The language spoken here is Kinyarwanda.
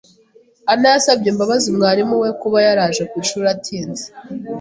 Ann yasabye imbabazi mwarimu we kuba yaraje ku ishuri atinze.